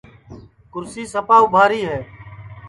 کُرسی سپا اُبھاری ہے